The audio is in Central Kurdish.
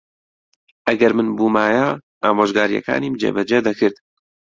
ئەگەر من بوومایە، ئامۆژگارییەکانیم جێبەجێ دەکرد.